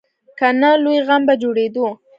که نه، لوی غم به جوړېدو.